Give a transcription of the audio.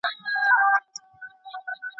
دا موضوع په حقیقت کي ډېره پیچلې ده.